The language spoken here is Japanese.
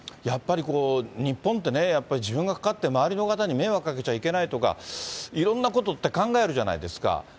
やっぱり日本ってね、自分がかかって、周りの方に迷惑かけちゃいけないとか、いろんなことって考えるじゃないですか。